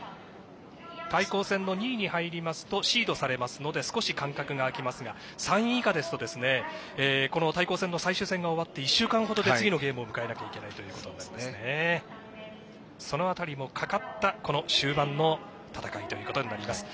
対抗戦の２位に入りますとシードされますので少し間隔が開きますが３位以下ですとこの対抗戦の最終戦が終わって１週間ほどで次のゲームを迎えなければいけないというその辺りもかかったこの終盤の戦いということになります。